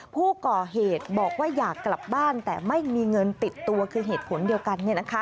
ผู้ก่อเหตุบอกว่าอยากกลับบ้านแต่ไม่มีเงินติดตัวคือเหตุผลเดียวกัน